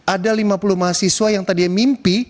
ada lima puluh mahasiswa yang tadinya mimpi